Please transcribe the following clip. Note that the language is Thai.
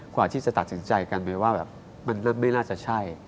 กว่าที่จะตัดสินใจกันไปว่าแบบมันไม่น่าจะใช่